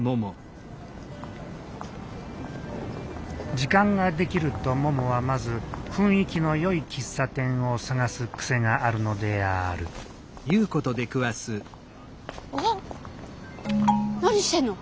時間ができるとももはまず雰囲気のよい喫茶店を探す癖があるのであるわっ何してんの。